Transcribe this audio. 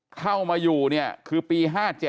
เข้ามาอยู่เนี่ยคือปี๕๗